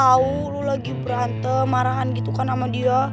soalnya kan kita tau lo lagi berantem marahan gitu kan sama dia